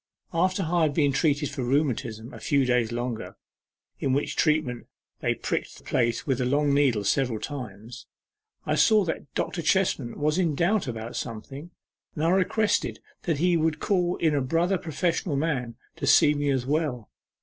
After I had been treated for rheumatism a few days longer (in which treatment they pricked the place with a long needle several times,) I saw that Dr. Chestman was in doubt about something, and I requested that he would call in a brother professional man to see me as well.